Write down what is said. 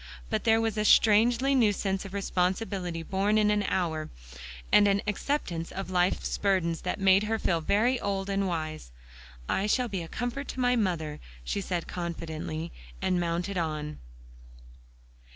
But there was a strangely new sense of responsibility, born in an hour; and an acceptance of life's burdens, that made her feel very old and wise. "I shall be a comfort to my mother," she said confidently, and mounted on.